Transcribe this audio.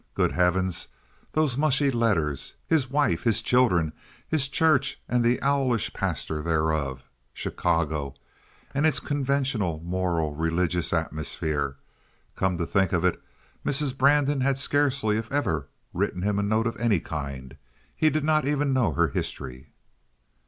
Good heavens—those mushy letters! His wife! His children! His church and the owlish pastor thereof! Chicago! And its conventional, moral, religious atmosphere! Come to think of it, Mrs. Brandon had scarcely if ever written him a note of any kind. He did not even know her history.